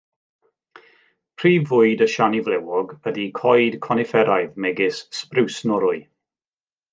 Prif fwyd y siani flewog ydy coed conifferaidd megis Sbriws Norwy.